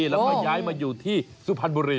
แล้วก็ย้ายมาอยู่ที่สุพรรณบุรี